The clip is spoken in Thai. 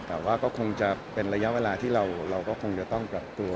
แต่ว่าก็คงจะเป็นระยะเวลาที่เราก็คงจะต้องปรับตัว